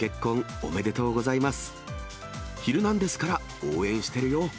おめでとうございます。